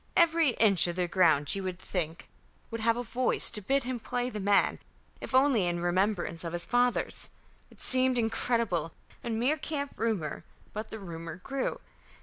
Every inch of the ground you would think would have a voice to bid him play the man, if only in remembrance of his fathers.... It seemed incredible and mere camp rumour, but the rumour grew.